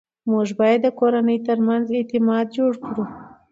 موږ باید د کورنۍ ترمنځ اعتماد جوړ کړو